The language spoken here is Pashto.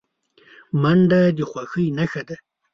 منډه د خوښۍ نښه ده